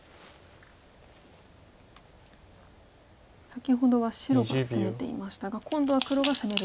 先ほどは白が攻めていましたが今度は黒が攻める番になると。